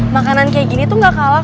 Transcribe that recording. makanan kayak gini tuh gak kalah